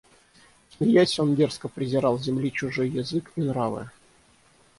Смеясь, он дерзко презирал Земли чужой язык и нравы;